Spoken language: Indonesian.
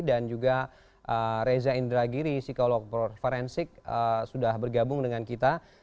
dan juga reza indragiri psikolog forensik sudah bergabung dengan kita